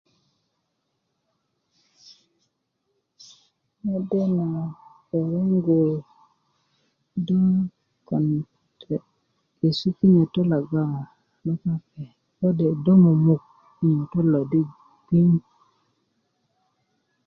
mede na rerengu do kon yesu kinyotot logon lo pape kode' do mumuku kinyotot lo di gbiŋ